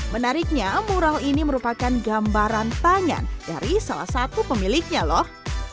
menariknya mural ini merupakan gambaran tangan dari salah satu pemiliknya loh